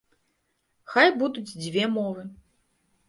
Хай будуць дзве мовы.